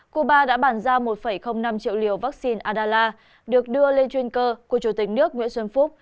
cuba đã bản ra một năm triệu liều vaccine adala được đưa lên chuyên cơ của chủ tịch nước nguyễn xuân phúc